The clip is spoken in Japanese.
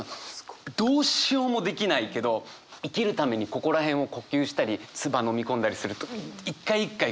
どうしようもできないけど生きるためにここら辺を呼吸したり唾飲み込んだりすると一回一回こうグッと痛い。